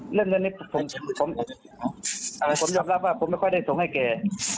เรื่องเงินนี้ผมยอมรับว่าผมไม่ค่อยได้ส่งให้แก